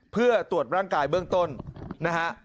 เพื่อตรวจร่างกายเบื้องต้นนะฮะ